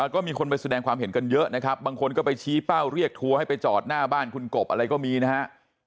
ก็มีคนไปแสดงความเห็นกันเยอะนะครับบางคนก็ไปชี้เป้าเรียกทัวร์ให้ไปจอดหน้าบ้านคุณกบอะไรก็มีนะฮะ